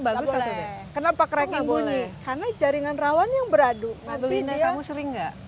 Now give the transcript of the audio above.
bagus kenapa cracking bunyi karena jaringan rawan yang beradu belinda kamu sering nggak